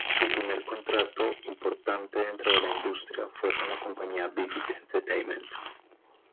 Su primer contrato importante dentro de la industria fue con la compañía Vivid Entertainment.